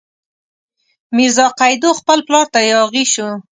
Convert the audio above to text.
میرزا قیدو خپل پلار ته یاغي شو.